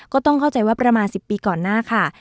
ก็ต้องเข้าใจว่าประมาณ๑๐ปีก่อนหน้าค่ะ